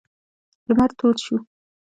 لمر تود شو.